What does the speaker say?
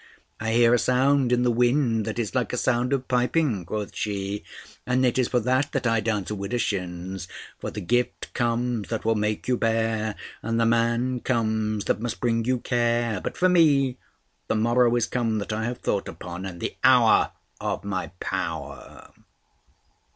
"I hear a sound in the wind that is like a sound of piping," quoth she. "And it is for that that I dance widdershins. For the gift comes that will make you bare, and the man comes that must bring you care. But for me the morrow is come that I have thought upon, and the hour of my power."